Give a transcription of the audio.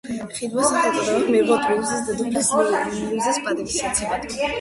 ხიდმა სახელწოდება მიიღო პრუსიის დედოფლის ლუიზას პატივსაცემად.